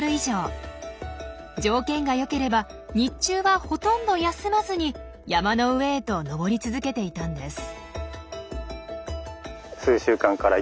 条件がよければ日中はほとんど休まずに山の上へと登り続けていたんです。